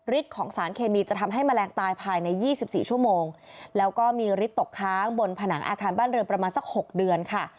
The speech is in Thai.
ของสารเคมีจะทำให้แมลงตายภายใน๒๔ชั่วโมงแล้วก็มีฤทธิ์ตกค้างบนผนังอาคารบ้านเรือนประมาณสัก๖เดือนค่ะ